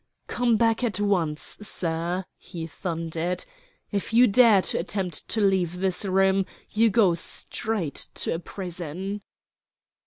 "Come back at once, sir," he thundered. "If you dare to attempt to leave this room you go straight to a prison."